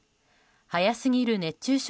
早すぎる熱中症